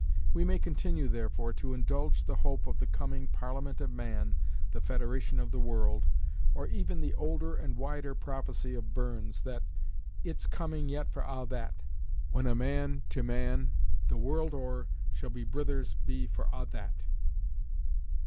We may continue, therefore, to indulge the hope of the coming "parliament of man, the federation of the world," or even the older and wider prophecy of Burns, that, "It's coming yet for a' that, when man to man the world o'er, shall brithers be for a' that."